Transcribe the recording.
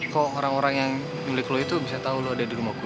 kok orang orang yang milik lo itu bisa tahu lo ada di rumahku